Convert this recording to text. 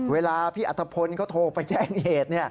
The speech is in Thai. เวลาพี่อัตภพลเขาโทรไปแจ้งเหตุ